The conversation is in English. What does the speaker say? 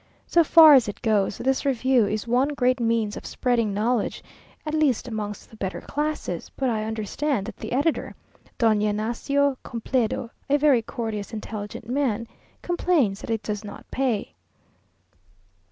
So far as it goes, this review is one great means of spreading know ledge, at least amongst the better classes; but I understand that the editor, Don Ygnacio Cumplido, a very courteous, intelligent man, complains that it does not pay.